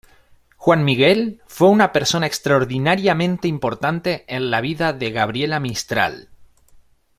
Juan Miguel fue una persona extraordinariamente importante en la vida de Gabriela Mistral.